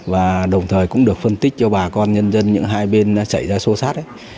và đồng thời cũng được phân tích cho bà con nhân dân những hai bên xảy ra xô xát